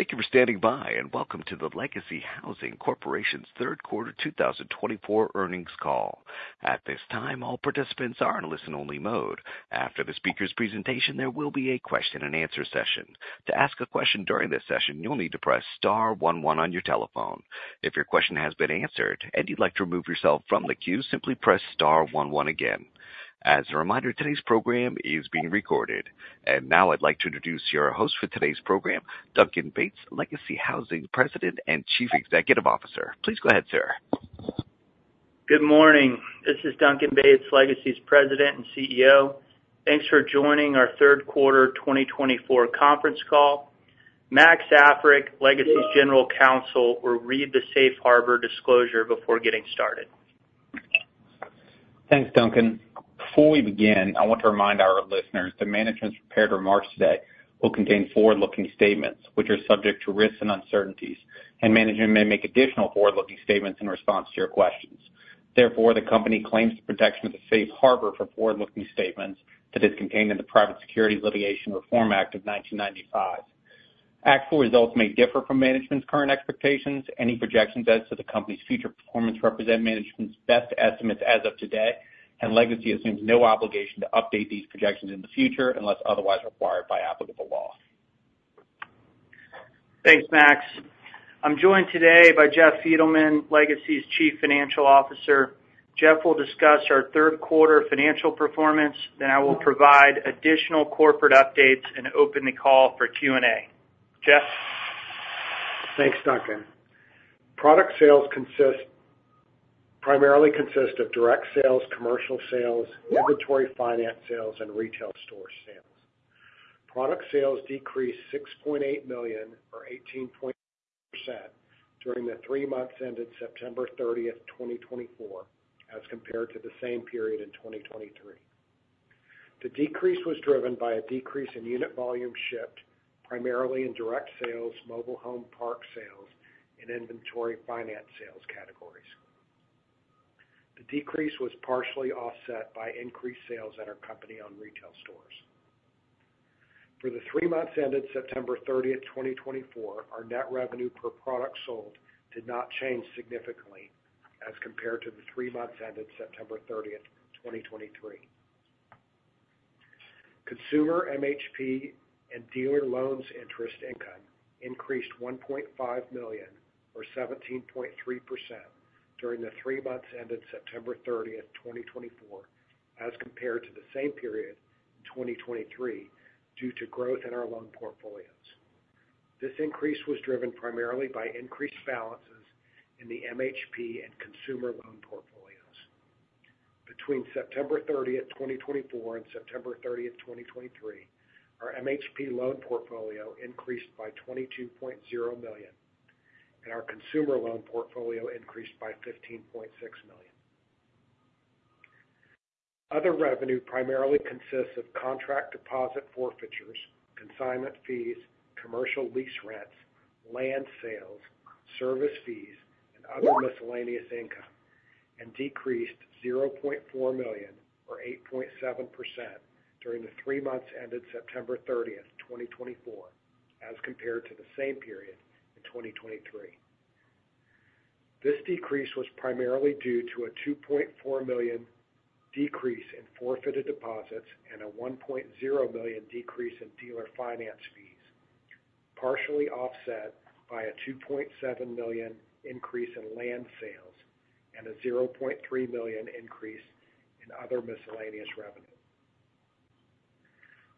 Thank you for standing by, and welcome to the Legacy Housing Corporation's Q3 2024 earnings call. At this time, all participants are in listen-only mode. After the speaker's presentation, there will be a question-and-answer session. To ask a question during this session, you'll need to press star 11 on your telephone. If your question has been answered and you'd like to remove yourself from the queue, simply press star 11 again. As a reminder, today's program is being recorded. And now I'd like to introduce your host for today's program, Duncan Bates, Legacy Housing President and Chief Executive Officer. Please go ahead, sir. Good morning. This is Duncan Bates, Legacy's President and CEO. Thanks for joining our Q3 2024 conference call. Max Africk, Legacy's General Counsel, will read the Safe Harbor disclosure before getting started. Thanks, Duncan. Before we begin, I want to remind our listeners that management's prepared remarks today will contain forward-looking statements, which are subject to risks and uncertainties, and management may make additional forward-looking statements in response to your questions. Therefore, the company claims the protection of the Safe Harbor from forward-looking statements that is contained in the Private Securities Litigation Reform Act of 1995. Actual results may differ from management's current expectations. Any projections as to the company's future performance represent management's best estimates as of today, and Legacy assumes no obligation to update these projections in the future unless otherwise required by applicable law. Thanks, Max. I'm joined today by Jeff Fiedelman, Legacy's Chief Financial Officer. Jeff will discuss our Q3 financial performance, then I will provide additional corporate updates and open the call for Q&A. Jeff. Thanks, Duncan. Product sales primarily consist of direct sales, commercial sales, inventory finance sales, and retail store sales. Product sales decreased $6.8 million, or 18.8%, during the three months ended September 30, 2024, as compared to the same period in 2023. The decrease was driven by a decrease in unit volume shipped, primarily in direct sales, mobile home park sales, and inventory finance sales categories. The decrease was partially offset by increased sales at our company-owned retail stores. For the three months ended September 30, 2024, our net revenue per product sold did not change significantly as compared to the three months ended September 30, 2023. Consumer MHP and dealer loans interest income increased $1.5 million, or 17.3%, during the three months ended September 30, 2024, as compared to the same period in 2023 due to growth in our loan portfolios. This increase was driven primarily by increased balances in the MHP and consumer loan portfolios. Between September 30, 2024, and September 30, 2023, our MHP loan portfolio increased by $22.0 million, and our consumer loan portfolio increased by $15.6 million. Other revenue primarily consists of contract deposit forfeitures, consignment fees, commercial lease rents, land sales, service fees, and other miscellaneous income, and decreased $0.4 million, or 8.7%, during the three months ended September 30, 2024, as compared to the same period in 2023. This decrease was primarily due to a $2.4 million decrease in forfeited deposits and a $1.0 million decrease in dealer finance fees, partially offset by a $2.7 million increase in land sales and a $0.3 million increase in other miscellaneous revenue.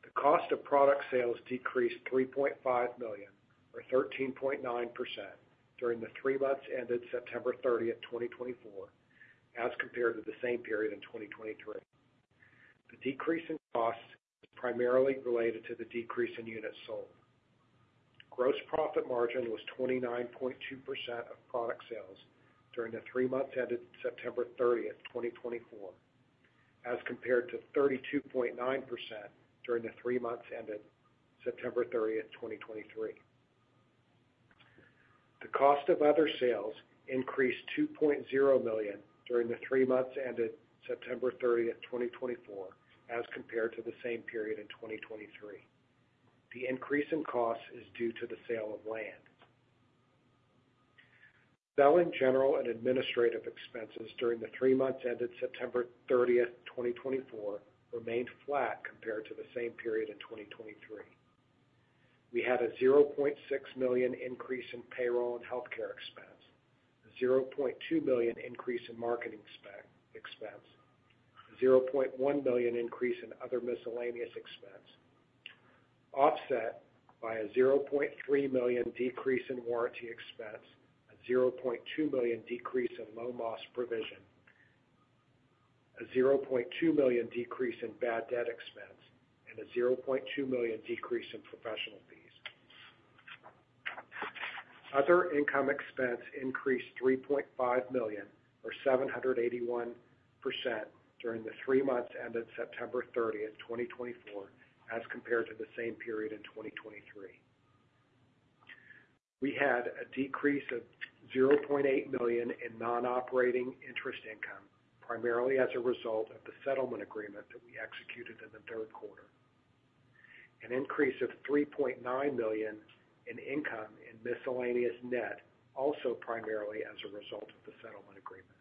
The cost of product sales decreased $3.5 million, or 13.9%, during the three months ended September 30, 2024, as compared to the same period in 2023. The decrease in costs is primarily related to the decrease in units sold. Gross profit margin was 29.2% of product sales during the three months ended September 30, 2024, as compared to 32.9% during the three months ended September 30, 2023. The cost of other sales increased $2.0 million during the three months ended September 30, 2024, as compared to the same period in 2023. The increase in costs is due to the sale of land. Selling, general and administrative expenses during the three months ended September 30, 2024, remained flat compared to the same period in 2023. We had a $0.6 million increase in payroll and healthcare expense, a $0.2 million increase in marketing expense, a $0.1 million increase in other miscellaneous expense, offset by a $0.3 million decrease in warranty expense, a $0.2 million decrease in loan loss provision, a $0.2 million decrease in bad debt expense, and a $0.2 million decrease in professional fees. Other income expense increased $3.5 million, or 781%, during the three months ended September 30, 2024, as compared to the same period in 2023. We had a decrease of $0.8 million in non-operating interest income, primarily as a result of the settlement agreement that we executed in the Q3. An increase of $3.9 million in income in miscellaneous net, also primarily as a result of the settlement agreement.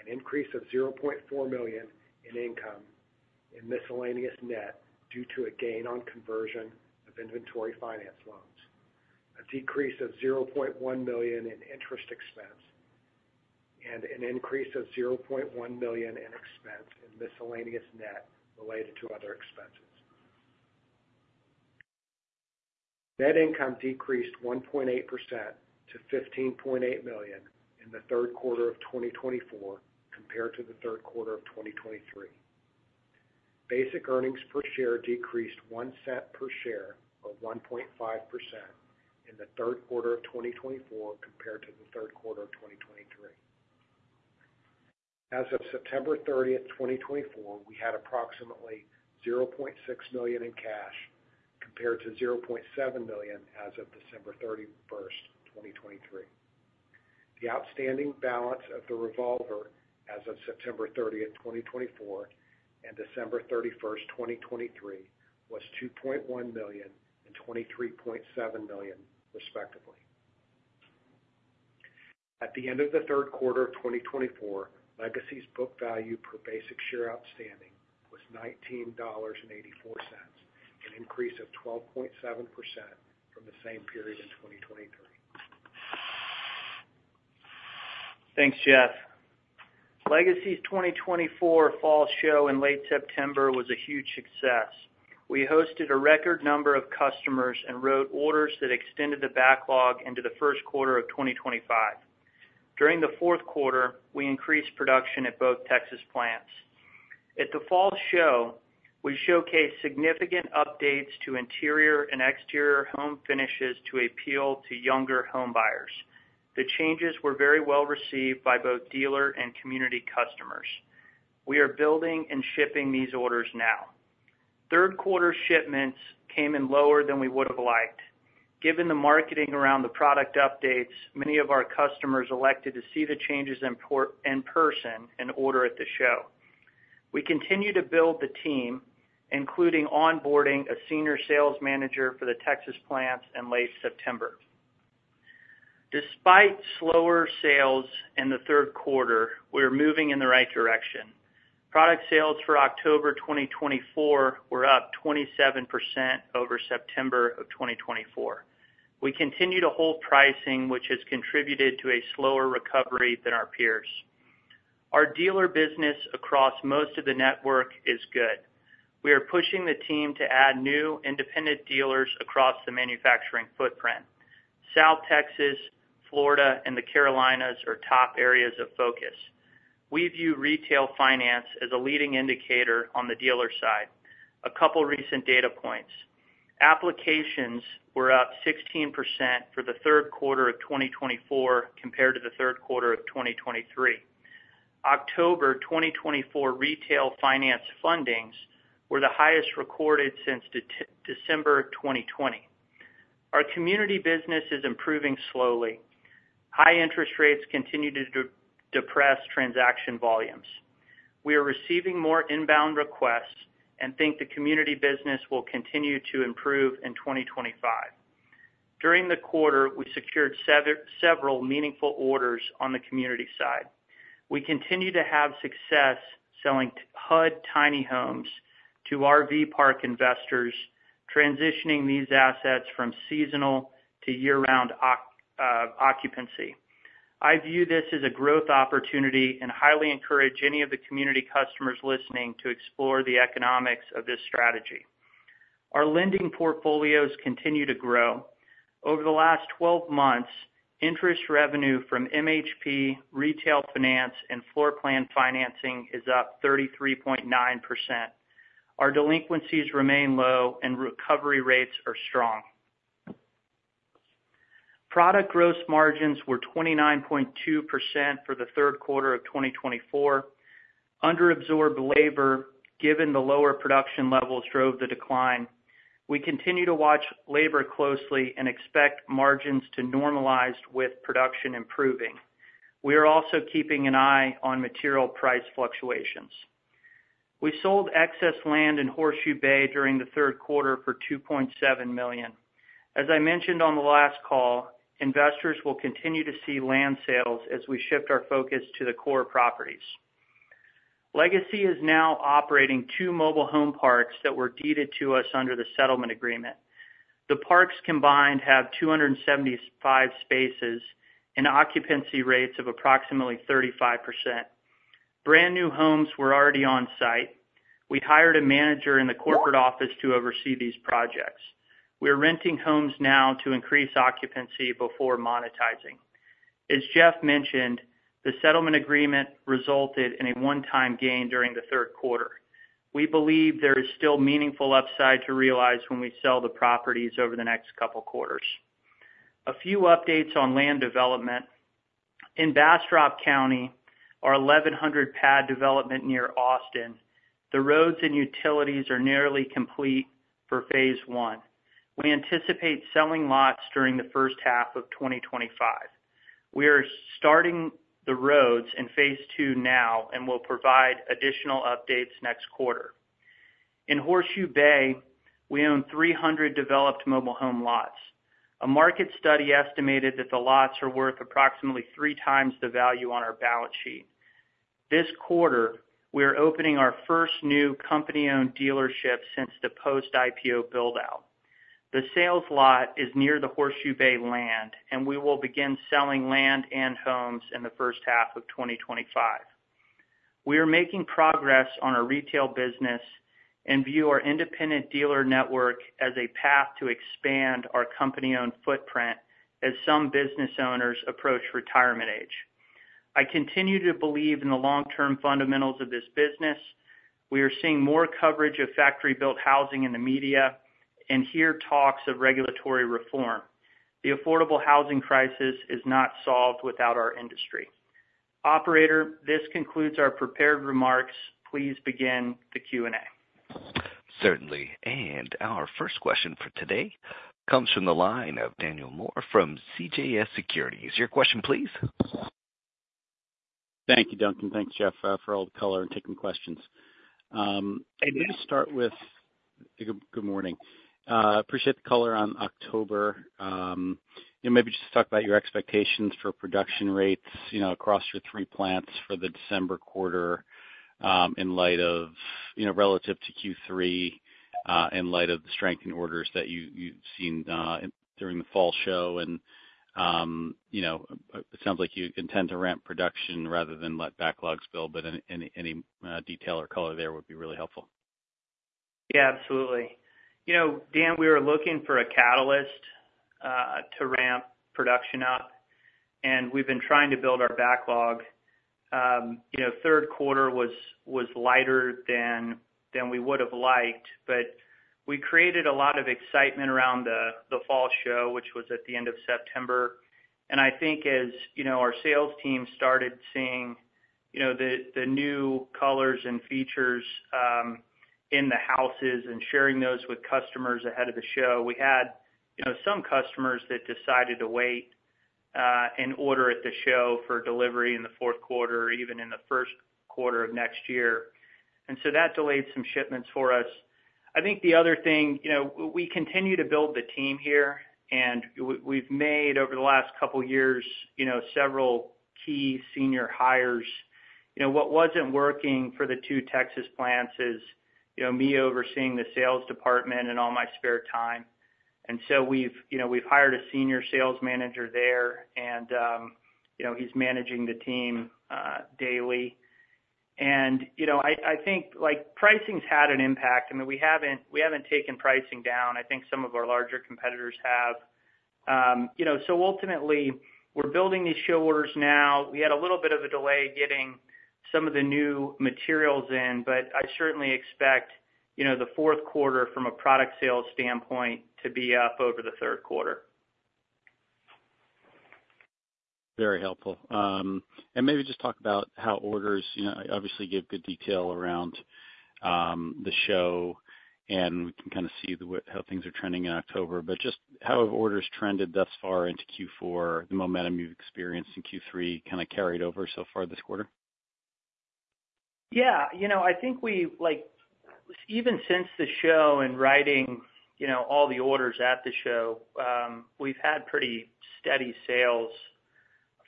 An increase of $0.4 million in income in miscellaneous net due to a gain on conversion of inventory finance loans. A decrease of $0.1 million in interest expense, and an increase of $0.1 million in expense in miscellaneous net related to other expenses. Net income decreased 1.8% to $15.8 million in the Q3 of 2024 compared to the Q3 of 2023. Basic earnings per share decreased $0.01 per share, or 1.5%, in the Q3 of 2024 compared to the Q3 of 2023. As of September 30, 2024, we had approximately $0.6 million in cash compared to $0.7 million as of December 31, 2023. The outstanding balance of the revolver as of September 30, 2024, and December 31, 2023, was $2.1 million and $23.7 million, respectively. At the end of the Q3 of 2024, Legacy's book value per basic share outstanding was $19.84, an increase of 12.7% from the same period in 2023. Thanks, Jeff. Legacy's 2024 fall show in late September was a huge success. We hosted a record number of customers and wrote orders that extended the backlog into the Q1 of 2025. During the Q4, we increased production at both Texas plants. At the fall show, we showcased significant updates to interior and exterior home finishes to appeal to younger home buyers. The changes were very well received by both dealer and community customers. We are building and shipping these orders now. Q3 shipments came in lower than we would have liked. Given the marketing around the product updates, many of our customers elected to see the changes in person and order at the show. We continue to build the team, including onboarding a senior sales manager for the Texas plants in late September. Despite slower sales in the Q3, we are moving in the right direction. Product sales for October 2024 were up 27% over September of 2024. We continue to hold pricing, which has contributed to a slower recovery than our peers. Our dealer business across most of the network is good. We are pushing the team to add new independent dealers across the manufacturing footprint. South Texas, Florida, and the Carolinas are top areas of focus. We view retail finance as a leading indicator on the dealer side. A couple of recent data points: applications were up 16% for the Q3 of 2024 compared to the Q3 of 2023. October 2024 retail finance fundings were the highest recorded since December 2020. Our community business is improving slowly. High interest rates continue to depress transaction volumes. We are receiving more inbound requests and think the community business will continue to improve in 2025. During the quarter, we secured several meaningful orders on the community side. We continue to have success selling HUD tiny homes to RV park investors, transitioning these assets from seasonal to year-round occupancy. I view this as a growth opportunity and highly encourage any of the community customers listening to explore the economics of this strategy. Our lending portfolios continue to grow. Over the last 12 months, interest revenue from MHP, retail finance, and floor plan financing is up 33.9%. Our delinquencies remain low, and recovery rates are strong. Product gross margins were 29.2% for the Q3 of 2024. Underabsorbed labor, given the lower production levels, drove the decline. We continue to watch labor closely and expect margins to normalize with production improving. We are also keeping an eye on material price fluctuations. We sold excess land in Horseshoe Bay during the Q3 for $2.7 million. As I mentioned on the last call, investors will continue to see land sales as we shift our focus to the core properties. Legacy is now operating two mobile home parks that were deeded to us under the settlement agreement. The parks combined have 275 spaces and occupancy rates of approximately 35%. Brand new homes were already on site. We hired a manager in the corporate office to oversee these projects. We are renting homes now to increase occupancy before monetizing. As Jeff mentioned, the settlement agreement resulted in a one-time gain during the Q3. We believe there is still meaningful upside to realize when we sell the properties over the next couple of quarters. A few updates on land development. In Bastrop County, our 1,100 pad development near Austin, the roads and utilities are nearly complete for phase one. We anticipate selling lots during the first half of 2025. We are starting the roads in phase two now and will provide additional updates next quarter. In Horseshoe Bay, we own 300 developed mobile home lots. A market study estimated that the lots are worth approximately three times the value on our balance sheet. This quarter, we are opening our first new company-owned dealership since the post-IPO buildout. The sales lot is near the Horseshoe Bay land, and we will begin selling land and homes in the first half of 2025. We are making progress on our retail business and view our independent dealer network as a path to expand our company-owned footprint as some business owners approach retirement age. I continue to believe in the long-term fundamentals of this business. We are seeing more coverage of factory-built housing in the media and hear talks of regulatory reform. The affordable housing crisis is not solved without our industry. Operator, this concludes our prepared remarks. Please begin the Q&A. Certainly. And our first question for today comes from the line of Daniel Moore from CJS Securities. Your question, please. Thank you, Duncan. Thanks, Jeff, for all the color and taking questions. Let's start with good morning. Appreciate the color on October. Maybe just talk about your expectations for production rates across your three plants for the December quarter in light of relative to Q3, in light of the strength in orders that you've seen during the fall show, and it sounds like you intend to ramp production rather than let backlogs build, but any detail or color there would be really helpful. Yeah, absolutely. Dan, we were looking for a catalyst to ramp production up, and we've been trying to build our backlog. Q3 was lighter than we would have liked, but we created a lot of excitement around the fall show, which was at the end of September, and I think as our sales team started seeing the new colors and features in the houses and sharing those with customers ahead of the show, we had some customers that decided to wait and order at the show for delivery in the Q4, even in the Q1 of next year, and so that delayed some shipments for us. I think the other thing, we continue to build the team here, and we've made over the last couple of years several key senior hires. What wasn't working for the two Texas plants is me overseeing the sales department and all my spare time. And so we've hired a senior sales manager there, and he's managing the team daily. And I think pricing's had an impact. I mean, we haven't taken pricing down. I think some of our larger competitors have. So ultimately, we're building these show orders now. We had a little bit of a delay getting some of the new materials in, but I certainly expect the Q4 from a product sales standpoint to be up over the Q3. Very helpful. And maybe just talk about how orders obviously give good detail around the show, and we can kind of see how things are trending in October. But just how have orders trended thus far into Q4? The momentum you've experienced in Q3 kind of carried over so far this quarter? Yeah. I think even since the show and writing all the orders at the show, we've had pretty steady sales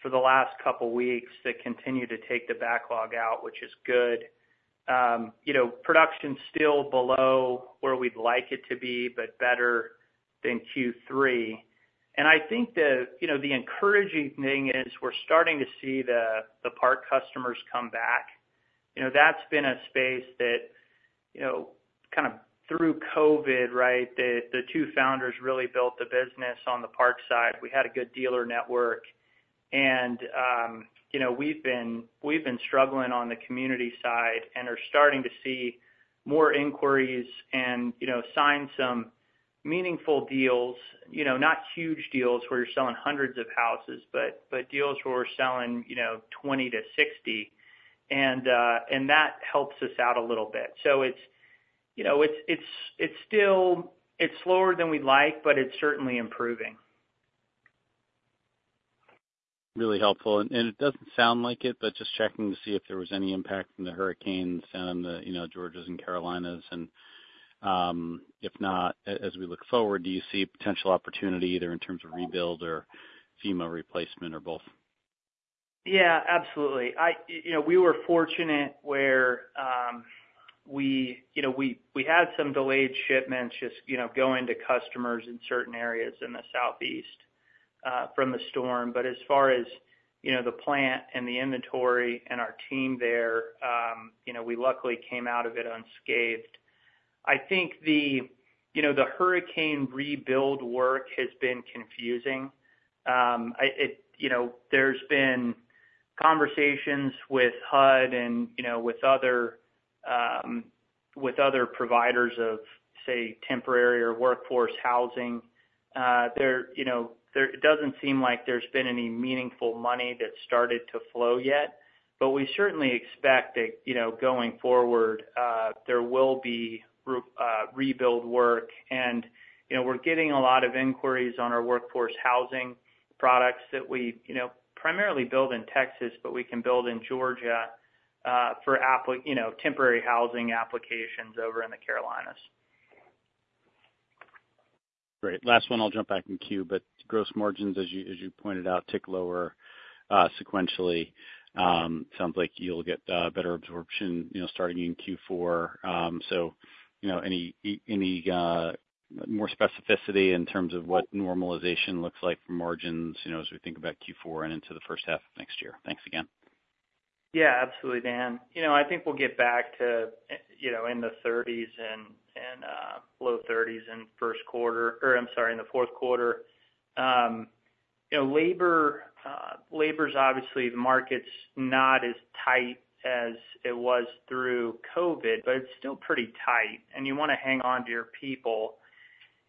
for the last couple of weeks that continue to take the backlog out, which is good. Production's still below where we'd like it to be, but better than Q3. And I think the encouraging thing is we're starting to see the park customers come back. That's been a space that kind of through COVID, right, the two founders really built the business on the park side. We had a good dealer network, and we've been struggling on the community side and are starting to see more inquiries and sign some meaningful deals. Not huge deals where you're selling hundreds of houses, but deals where we're selling 20-60, and that helps us out a little bit. So it's still slower than we'd like, but it's certainly improving. Really helpful. And it doesn't sound like it, but just checking to see if there was any impact from the hurricanes on the Georgia and Carolinas. And if not, as we look forward, do you see potential opportunity either in terms of rebuild or FEMA replacement or both? Yeah, absolutely. We were fortunate where we had some delayed shipments just going to customers in certain areas in the Southeast from the storm. But as far as the plant and the inventory and our team there, we luckily came out of it unscathed. I think the hurricane rebuild work has been confusing. There's been conversations with HUD and with other providers of, say, temporary or workforce housing. It doesn't seem like there's been any meaningful money that started to flow yet, but we certainly expect that going forward, there will be rebuild work. And we're getting a lot of inquiries on our workforce housing products that we primarily build in Texas, but we can build in Georgia for temporary housing applications over in the Carolinas. Great. Last one, I'll jump back in queue, but gross margins, as you pointed out, tick lower sequentially. Sounds like you'll get better absorption starting in Q4. So any more specificity in terms of what normalization looks like for margins as we think about Q4 and into the first half of next year? Thanks again. Yeah, absolutely, Dan. I think we'll get back to in the 30s and low 30s in Q1 or I'm sorry, in the Q4. Labor's obviously the market's not as tight as it was through COVID, but it's still pretty tight, and you want to hang on to your people.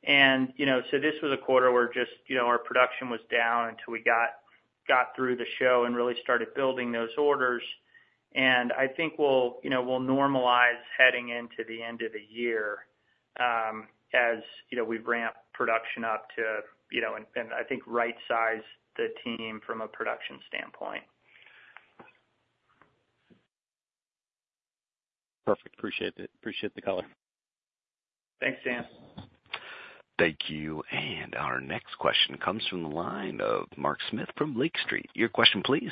And so this was a quarter where just our production was down until we got through the show and really started building those orders. And I think we'll normalize heading into the end of the year as we ramp production up to, and I think, right-size the team from a production standpoint. Perfect. Appreciate the color. Thanks, Dan. Thank you. And our next question comes from the line of Mark Smith from Lake Street. Your question, please.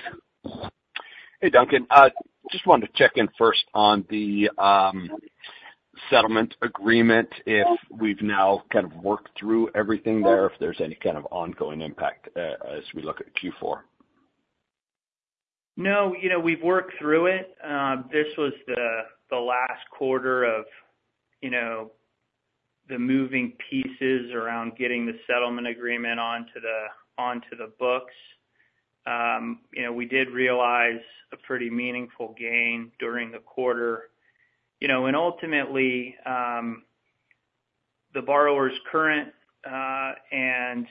Hey, Duncan. Just wanted to check in first on the settlement agreement, if we've now kind of worked through everything there, if there's any kind of ongoing impact as we look at Q4. No, we've worked through it. This was the last quarter of the moving pieces around getting the settlement agreement onto the books. We did realize a pretty meaningful gain during the quarter. And ultimately, the borrower's current, and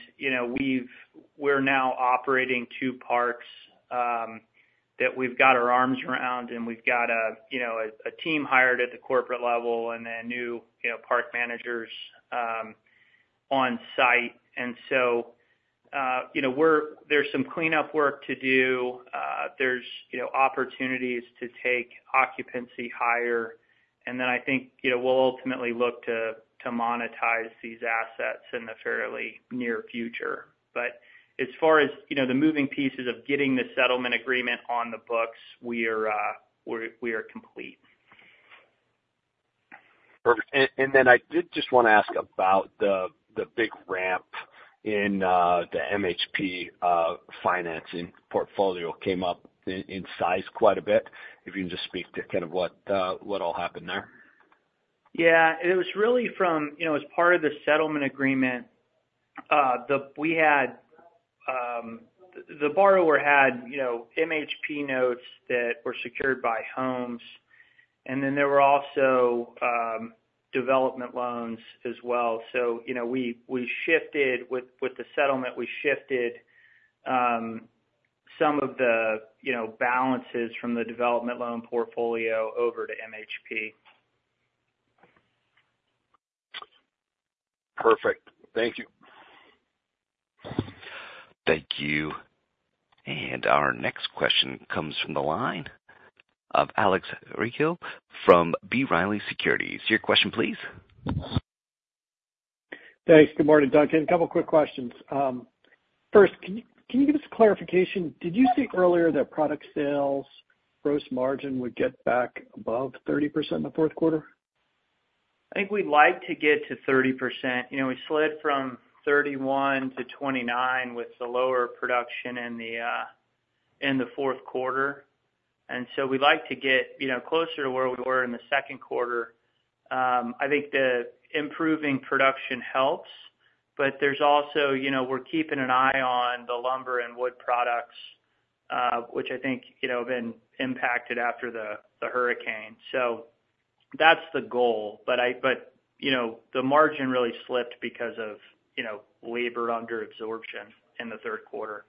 we're now operating two parks that we've got our arms around, and we've got a team hired at the corporate level and then new park managers on site. And so there's some cleanup work to do. There's opportunities to take occupancy higher. And then I think we'll ultimately look to monetize these assets in the fairly near future. But as far as the moving pieces of getting the settlement agreement on the books, we are complete. Perfect. And then I did just want to ask about the big ramp in the MHP financing portfolio that came up in size quite a bit. If you can just speak to kind of what all happened there? Yeah. And it was really from as part of the settlement agreement, the borrower had MHP notes that were secured by homes, and then there were also development loans as well. So we shifted with the settlement, we shifted some of the balances from the development loan portfolio over to MHP. Perfect. Thank you. Thank you. And our next question comes from the line of Alex Rygiel from B. Riley Securities. Your question, please. Thanks. Good morning, Duncan. A couple of quick questions. First, can you give us a clarification? Did you say earlier that product sales, gross margin would get back above 30% in the Q4? I think we'd like to get to 30%. We slid from 31% to 29% with the lower production in the Q4, and so we'd like to get closer to where we were in the Q2. I think the improving production helps, but there's also we're keeping an eye on the lumber and wood products, which I think have been impacted after the hurricane, so that's the goal, but the margin really slipped because of labor under absorption in the Q3.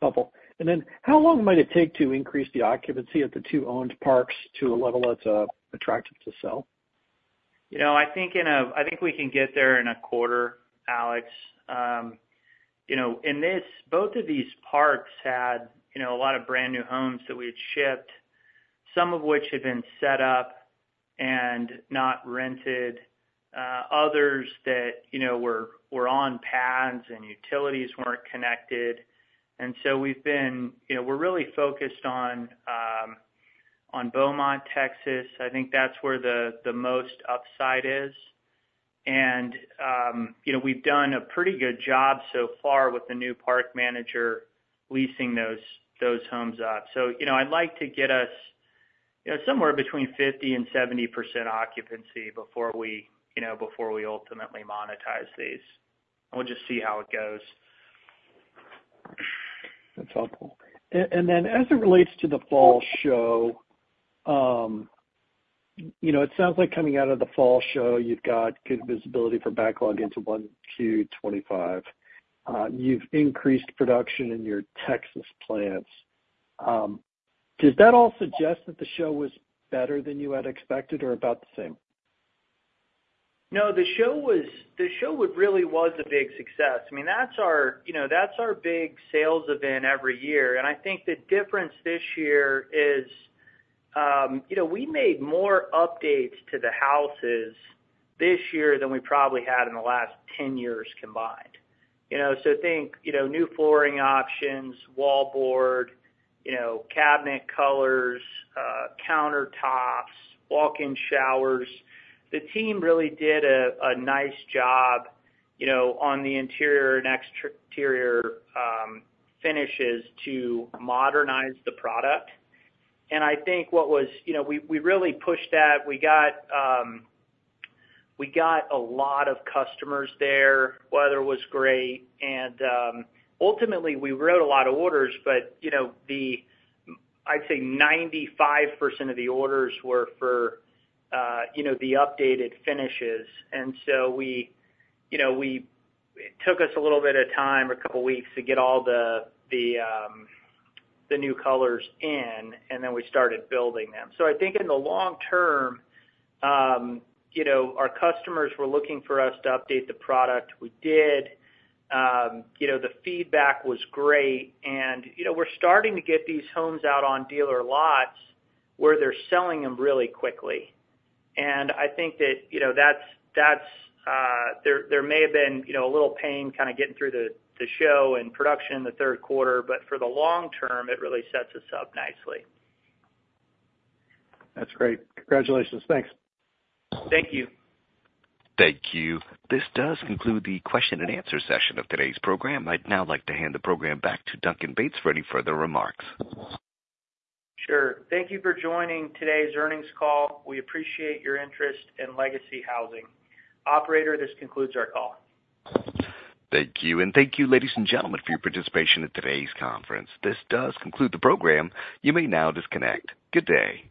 Helpful. And then, how long might it take to increase the occupancy at the two owned parks to a level that's attractive to sell? I think we can get there in a quarter, Alex. In this, both of these parks had a lot of brand new homes that we had shipped, some of which had been set up and not rented, others that were on pads and utilities weren't connected. So we've been really focused on Beaumont, Texas. I think that's where the most upside is. We've done a pretty good job so far with the new park manager leasing those homes up. So I'd like to get us somewhere between 50% and 70% occupancy before we ultimately monetize these. We'll just see how it goes. That's helpful. And then as it relates to the fall show, it sounds like coming out of the fall show, you've got good visibility for backlog into 1Q25. You've increased production in your Texas plants. Does that all suggest that the show was better than you had expected or about the same? No, the show really was a big success. I mean, that's our big sales event every year. And I think the difference this year is we made more updates to the houses this year than we probably had in the last 10 years combined. So I think new flooring options, wallboard, cabinet colors, countertops, walk-in showers. The team really did a nice job on the interior and exterior finishes to modernize the product. And I think what was we really pushed that. We got a lot of customers there. Weather was great. And ultimately, we wrote a lot of orders, but I'd say 95% of the orders were for the updated finishes. And so it took us a little bit of time, a couple of weeks, to get all the new colors in, and then we started building them. So I think in the long term, our customers were looking for us to update the product. We did. The feedback was great. And we're starting to get these homes out on dealer lots where they're selling them really quickly. And I think that there may have been a little pain kind of getting through the show and production in the Q3, but for the long term, it really sets us up nicely. That's great. Congratulations. Thanks. Thank you. Thank you. This does conclude the question and answer session of today's program. I'd now like to hand the program back to Duncan Bates for any further remarks. Sure. Thank you for joining today's earnings call. We appreciate your interest in Legacy Housing. Operator, this concludes our call. Thank you. Thank you, ladies and gentlemen, for your participation in today's conference. This does conclude the program. You may now disconnect. Good day.